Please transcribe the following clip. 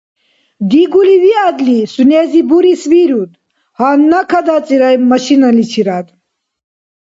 Дигули виадли, сунези бурес вируд, гьанна кадацӀирая машиналичирад!